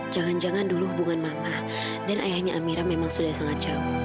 jangan jangan dulu hubungan mama dan ayahnya amira memang sudah sangat jauh